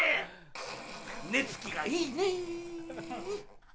寝付きがいいね。